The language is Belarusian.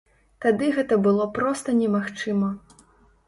Тады гэта было проста немагчыма.